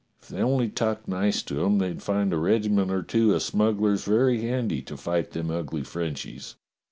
If they only talked nice to 'em they'd find a regiment or two o' smugglers very handy to fight them ugly Frenchies.